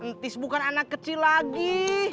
entis bukan anak kecil lagi